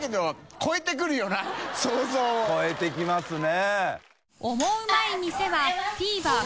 ↓髻超えてきますね。